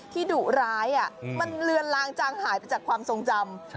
ดุร้ายมันเลือนลางจางหายไปจากความทรงจำ